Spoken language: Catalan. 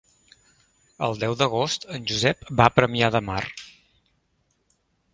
El deu d'agost en Josep va a Premià de Mar.